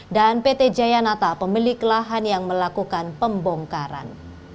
dan pt jayanata pemilik lahan yang melakukan pembongkaran